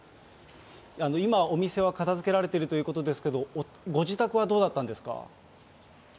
今、お店は片づけられてるということですけれども、ご自宅はどうだったんですか？